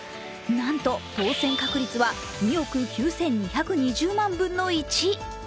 なんと、当選確率は２億９２２０万分の１！